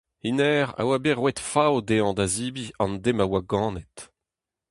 Hennezh a oa bet roet fav dezhañ da zebriñ an deiz ma oa ganet.